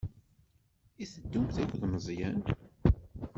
I teddumt akked Meẓyan?